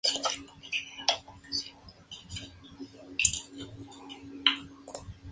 Se desconoce cuáles eran sus apellidos.